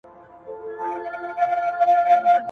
د څېړنې مختلف ډولونه سته.